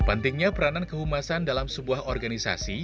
pentingnya peranan kehumasan dalam sebuah organisasi